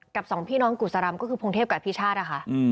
สองพี่น้องกุศรำก็คือพงเทพกับอภิชาตินะคะ